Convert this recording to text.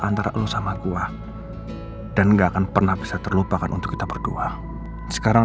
antara lo sama gua dan enggak akan pernah bisa terlupakan untuk kita berdua sekarang